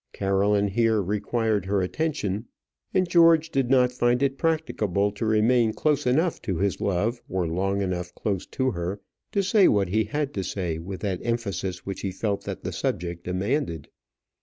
Caroline here required her attention, and George did not find it practicable to remain close enough to his love, or long enough close to her, to say what he had to say with that emphasis which he felt that the subject demanded.